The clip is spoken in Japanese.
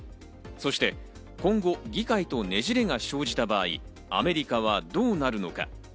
そして今後、議会とねじれが生じた場合、アメリカはどうなるのか。